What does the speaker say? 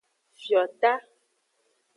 Fiota.